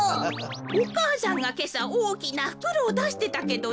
お母さんがけさおおきなふくろをだしてたけど。